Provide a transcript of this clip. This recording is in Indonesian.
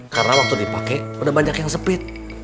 karena waktu dipake udah banyak yang sepit